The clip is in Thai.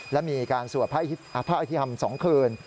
และมีการสวบพระอิทธิภรรม๒คืน